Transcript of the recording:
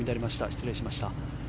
失礼しました。